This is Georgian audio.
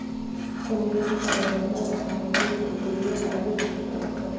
ტენერიფე ყველაზე მეტად დასახლებული კუნძულია კანარის არქიპელაგზე.